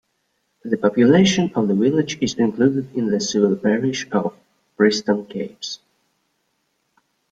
The population of the village is included in the civil parish of Preston Capes.